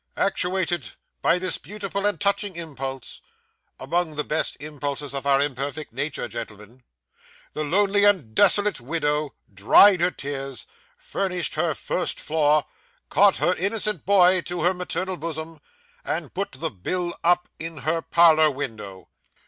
Actuated by this beautiful and touching impulse (among the best impulses of our imperfect nature, gentlemen), the lonely and desolate widow dried her tears, furnished her first floor, caught her innocent boy to her maternal bosom, and put the bill up in her parlour window.